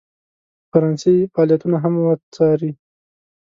فرانسې فعالیتونه هم وڅاري.